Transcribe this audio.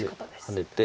ハネて。